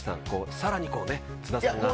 さらに、津田さんが。